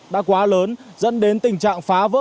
đã quá lớn dẫn đến tình trạng phá vỡ